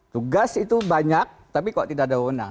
tugas itu banyak tapi kok tidak ada undang